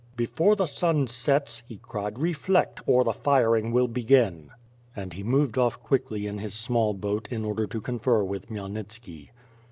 "Before the sun sets," he cried, "reflect, or the firing will begin!" And he moved off quickly in his small boat in order to confer with Khmyelnitski.